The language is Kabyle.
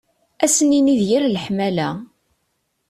Ad s-nini d yir leḥmala.